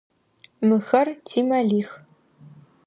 Мыхэр тимэлих.